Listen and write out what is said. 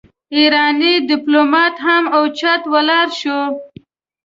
ايرانی ډيپلومات هم اوچت ولاړ شو.